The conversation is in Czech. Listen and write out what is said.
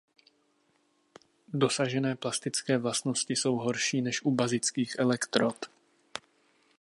Dosažené plastické vlastnosti jsou horší než u bazických elektrod.